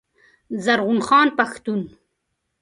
زرغون خان پښتون